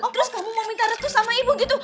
terus kamu mau minta retus sama ibu gitu